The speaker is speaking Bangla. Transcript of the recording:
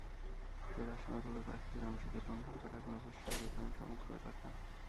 ফেরার সময় পুরো তাখতে জামশিদে লুণ্ঠন করে আগুনে ভস্মীভূত করেন সমগ্র এলাকা।